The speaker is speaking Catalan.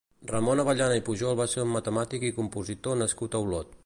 Ramon Avellana i Pujol va ser un matemàtic i compositor nascut a Olot.